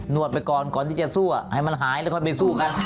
วดไปก่อนก่อนที่จะสู้ให้มันหายแล้วค่อยไปสู้กัน